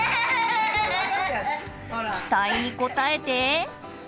期待に応えて。